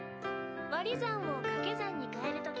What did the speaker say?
割り算を掛け算にかえる時に。